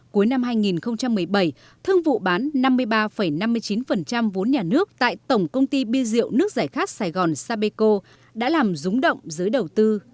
cuối năm hai nghìn một mươi bảy thương vụ bán năm mươi ba năm mươi chín vốn nhà nước tại tổng công ty bia rượu nước giải khát sài gòn sapeco đã làm rúng động giới đầu tư